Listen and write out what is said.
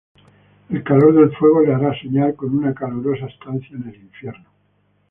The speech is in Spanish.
El calor del fuego le hará soñar con una calurosa estancia en el infierno.